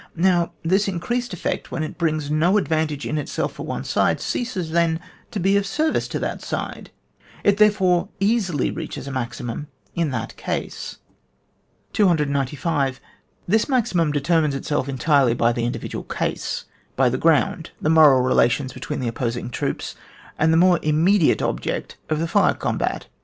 Now this increased effect when it brings no advantage in itself for one side, ceases then to be of service to that side ; it therefore easily reaches a maximum in that case. 295. This maximum determines itself entirely by the individual case, by the ground, the moral relations between the opposing troops, and the more immediate object of the fire combat.